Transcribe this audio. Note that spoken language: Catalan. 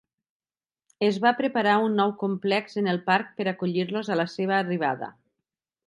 Es va preparar un nou complex en el parc per acollir-los a la seva arribada.